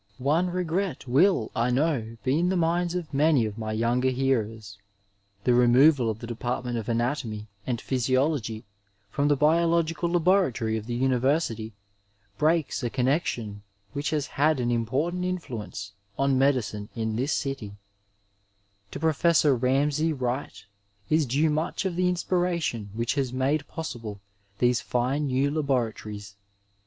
One regret will, I know, be in the minds of many of my younger hearers. The removal of the department of anatomy and 1 Univeraity of Toronto, 1903. 865 Digitized by VjOOQIC THE MASTER WORD IN BfEDICINB physiology from the biological laboratory of the nniversity breaks a connexion which has had an important inflaenoe on medicine in this city. To Professor Ramsay Wright is due much of the inspiration which has made possible these fine new laboratories.